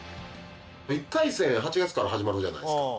１回戦８月から始まるじゃないですか。